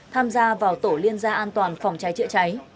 tham gia vào tổ liên gia an toàn phòng cháy chữa cháy